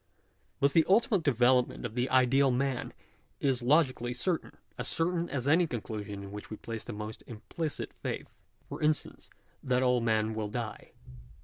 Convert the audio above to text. . Thus the ultimate development of the ideal man is logically certain — as certain as any conclusion in which we place the most implicit faith ; for instance, that all men will die.